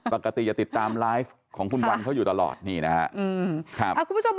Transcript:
ปกติจะติดตามไลฟ์ของคุณวันเขาอยู่ตลอดนี่นะฮะ